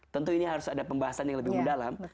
tentu ini harus ada pembahasan yang lebih mendalam